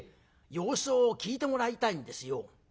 様子を聞いてもらいたいんですよ」。